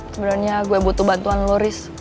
sebenernya gue butuh bantuan lo chris